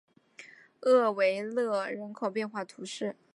厄维勒人口变化图示